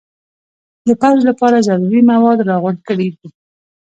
د پوځ لپاره ضروري مواد را غونډ کړي.